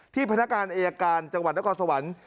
พนักการอายการจังหวัดนครสวรรค์